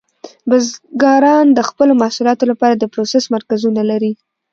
بزګران د خپلو محصولاتو لپاره د پروسس مرکزونه لري.